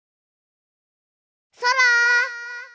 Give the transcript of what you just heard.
そら！